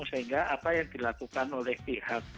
sehingga apa yang dilakukan oleh pihak